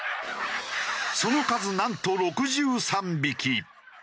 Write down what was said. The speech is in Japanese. その数なんと６３匹。